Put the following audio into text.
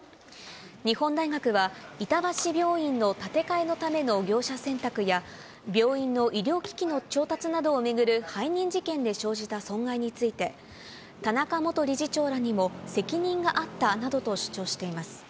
日本大学は、板橋病院の建て替えのための業者選択や、病院の医療機器の調達などを巡る背任事件で生じた損害について、田中元理事長らにも責任があったなどと主張しています。